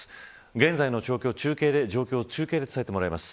現在の状況を中継で伝えてもらいます。